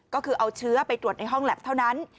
ก็คือเอาเชื้อไปตรวจในห้องแล็บเท่านั้น